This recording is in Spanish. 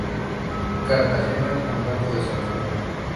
Cartagena, Convento de Santo Domingo.